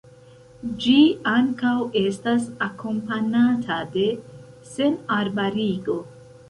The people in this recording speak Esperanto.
Ĝi ankaŭ estas akompanata de senarbarigo.